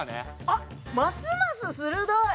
あっますます鋭い！